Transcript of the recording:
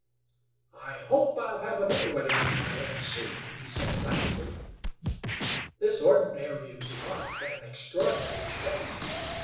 "I hope I'll have another wedding on my hands soon," he said placidly. This ordinary remark had an extraordinary effect.